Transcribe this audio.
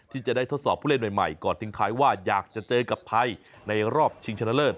ที่จะได้ทดสอบผู้เล่นใหม่ก่อนทิ้งท้ายว่าอยากจะเจอกับไทยในรอบชิงชนะเลิศ